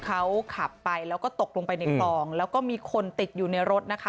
เขาขับไปแล้วก็ตกลงไปในคลองแล้วก็มีคนติดอยู่ในรถนะคะ